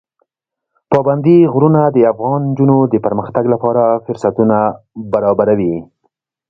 پابندی غرونه د افغان نجونو د پرمختګ لپاره فرصتونه برابروي.